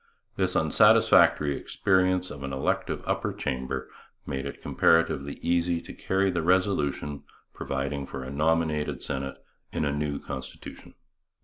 This unsatisfactory experience of an elective upper chamber made it comparatively easy to carry the resolution providing for a nominated Senate in the new constitution.